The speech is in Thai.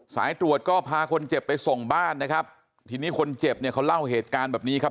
สายตรวจก็พาคนเจ็บไปส่งบ้านนะครับทีนี้คนเจ็บเนี่ยเขาเล่าเหตุการณ์แบบนี้ครับ